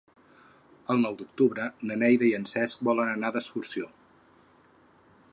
El nou d'octubre na Neida i en Cesc volen anar d'excursió.